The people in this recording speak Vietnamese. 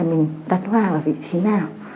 mình đặt hoa ở vị trí nào